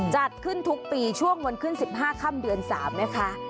จัดขึ้นทุกปีช่วงวันขึ้น๑๕ค่ำเดือน๓นะคะ